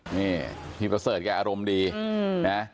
นี่พี่เกษตรกันอารมณ์ดีนะ